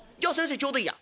ちょうどいいや。